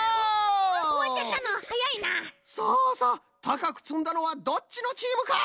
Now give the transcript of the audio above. たかくつんだのはどっちのチームか！？